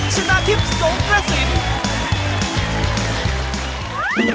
ชนะทิพย์ทรงประสิทธิ์